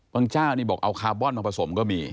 เจ้านี่บอกเอาคาร์บอนมาผสมก็มี